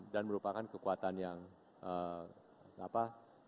merupakan kekuatan yang apa